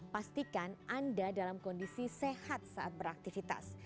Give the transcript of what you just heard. pastikan anda dalam kondisi sehat saat beraktivitas